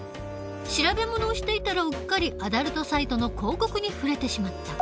調べ物をしていたらうっかりアダルトサイトの広告に触れてしまった。